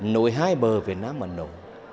nổi hai bờ việt nam ấn độ